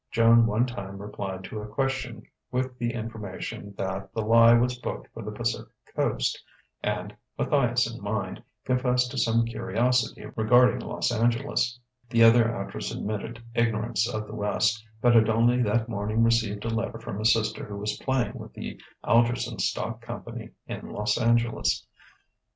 Joan one time replied to a question with the information that "The Lie" was booked for the Pacific Coast, and (Matthias in mind) confessed to some curiosity regarding Los Angeles. The other actress admitted ignorance of the West, but had only that morning received a letter from a sister who was playing with the Algerson stock company in Los Angeles.